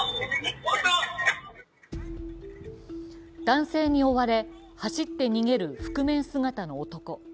男性に追われ、走って逃げる覆面姿の男。